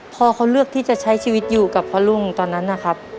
พ่อเขาเลือกที่จะใช้ชีวิตอยู่กับพ่อลุงตอนนั้นนะครับ